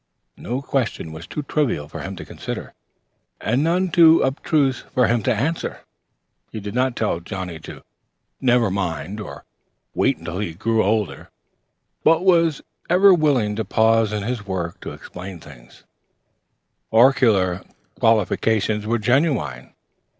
No question was too trivial for him to consider, and none too abstruse for him to answer. He did not tell Johnnie to "never mind" or wait until he grew older, but was ever willing to pause in his work to explain things. And his oracular qualifications were genuine.